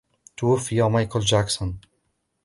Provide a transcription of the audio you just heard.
توفي مايكل جاكسون.